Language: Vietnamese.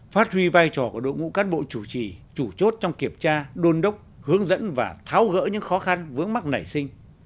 phát huy vai trò của đội ngũ cán bộ chủ trì chủ chốt trong kiểm tra đôn đốc hướng dẫn và tháo gỡ những khó khăn vướng mắc nảy sinh